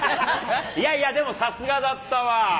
いやいや、でもさすがだったわ。